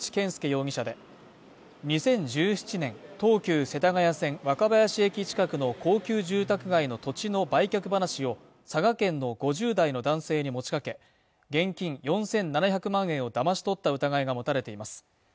容疑者で２０１７年東急世田谷線若林駅近くの高級住宅街の土地の売却話を佐賀県の５０代の男性に持ちかけ現金４７００万円をだまし取った疑いが持たれています